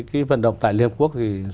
cái vận động tại liên hợp quốc thì